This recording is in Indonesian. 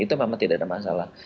itu memang tidak ada masalah